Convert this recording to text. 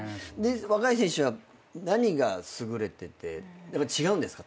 若い選手は何が優れてて違うんですか？